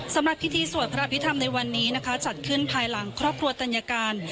สำหรับพิธีสวดพระอภิษฐรรมในวันนี้นะคะจัดขึ้นภายหลังครอบครัวตัญการ